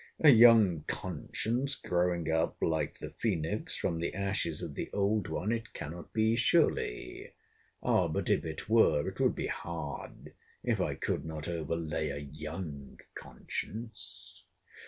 A young conscience growing up, like the phoenix, from the ashes of the old one, it cannot be, surely. But if it were, it would be hard, if I could not overlay a young conscience.